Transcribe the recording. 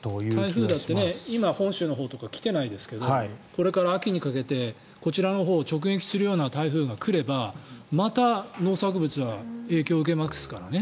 台風だって今本州のほうとか来ていないですけどこれから秋にかけてこちらのほうを直撃するような台風が来ればまた農作物は影響を受けますからね。